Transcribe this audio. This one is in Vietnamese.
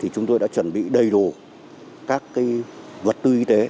chúng tôi đã chuẩn bị đầy đủ các vật tư y tế